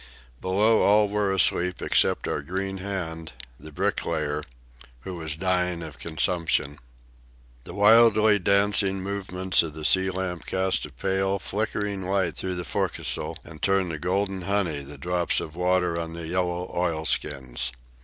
Below all were asleep except our green hand, the "bricklayer," who was dying of consumption. The wildly dancing movements of the sea lamp cast a pale, flickering light through the fo'castle and turned to golden honey the drops of water on the yellow oilskins.